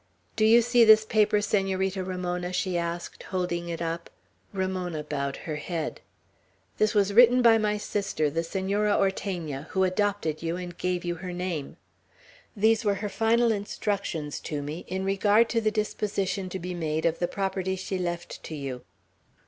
"Do you see this paper, Senorita Ramona?" she asked, holding it up. Ramona bowed her head. "This was written by my sister, the Senora Ortegna, who adopted you and gave you her name. These were her final instructions to me, in regard to the disposition to be made of the property she left to you."